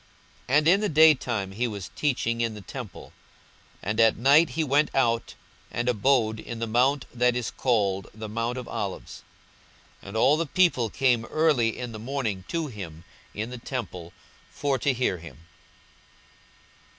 42:021:037 And in the day time he was teaching in the temple; and at night he went out, and abode in the mount that is called the mount of Olives. 42:021:038 And all the people came early in the morning to him in the temple, for to hear him.